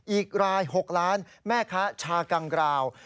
อีกราย๖ล้านแม่ค้าชากังกราว